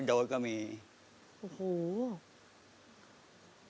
พร้อมไหมครับ